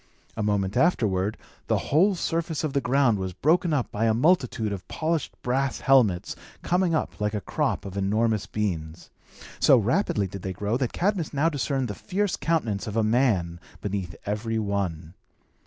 A moment afterward, the whole surface of the ground was broken up by a multitude of polished brass helmets, coming up like a crop of enormous beans. So rapidly did they grow, that Cadmus now discerned the fierce countenance of a man beneath every one.